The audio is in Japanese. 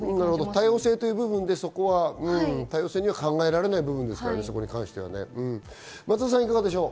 多様性という部分では、そこは考えられない部分ですよね。